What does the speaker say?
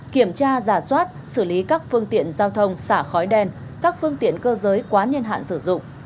kiểm tra giả soát xử lý các phương tiện giao thông xả khói đen các phương tiện cơ giới quá niên hạn sử dụng